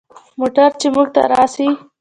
موټر چې موږ ته راسي.